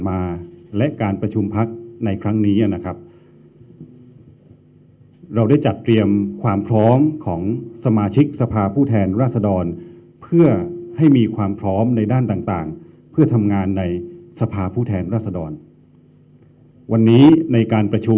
เมื่อครั้งที่ผ่านมาและการประชุมพัก